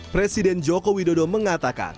presiden joko widodo mengatakan